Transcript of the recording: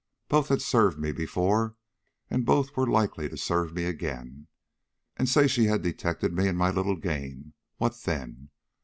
"Both had served me before, and both were likely to serve me again. And, say she had detected me in my little game, what then?